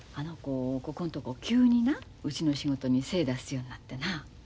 ここんとこ急になうちの仕事に精出すようになってな。